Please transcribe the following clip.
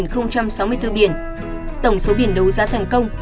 tổng số biển đấu giá thành công